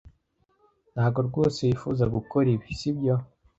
Ntago rwose wifuza gukora ibi, sibyo?